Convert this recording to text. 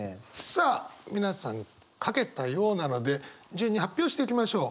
さあ皆さん書けたようなので順に発表していきましょう。